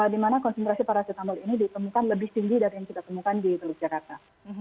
di mana konsentrasi paracetamol ini ditemukan lebih tinggi dari yang kita temukan di teluk jakarta